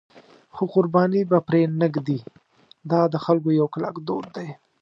خو قرباني به پرې نه ږدي، دا د خلکو یو کلک دود دی.